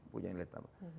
punya nilai tambah